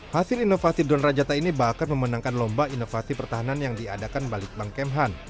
hasil inovasi drone rajata ini bahkan memenangkan lomba inovasi pertahanan yang diadakan balitbang kemhan